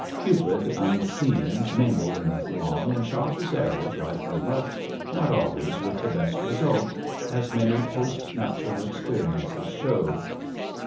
Cupid unseen mingled in the throng and shot his arrows right and left, not always with the best result, as many post nuptial experiences showed.